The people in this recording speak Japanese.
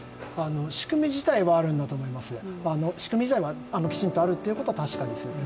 仕組み自体はあるんだと思います、きちんとあるということは確かです。